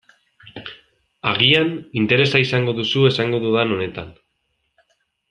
Agian interesa izango duzu esango dudan honetan.